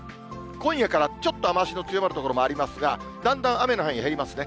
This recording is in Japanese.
今夜からちょっと雨足の強まる所もありますが、だんだん雨の範囲減りますね。